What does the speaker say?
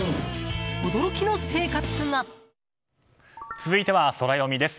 続いてはソラよみです。